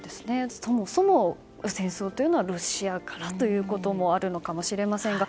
そもそも戦争というのはロシアからということもあるのかもしれませんが。